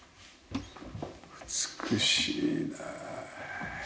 美しいね。